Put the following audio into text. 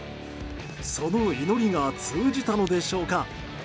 その祈りが通じたのでしょうか。